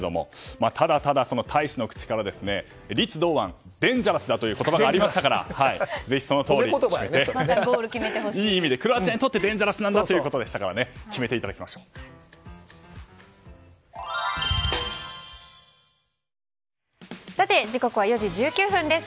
ただただ、大使の口からリツ・ドウアンデンジャラスだという言葉がありましたからぜひ、クロアチアにとってデンジャラスなんだということでしたから時刻は４時１９分です。